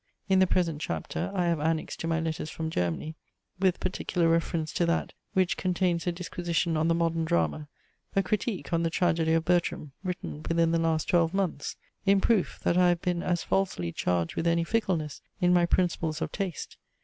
In the present chapter, I have annexed to my Letters from Germany, with particular reference to that, which contains a disquisition on the modern drama, a critique on the Tragedy of BERTRAM, written within the last twelve months: in proof, that I have been as falsely charged with any fickleness in my principles of taste.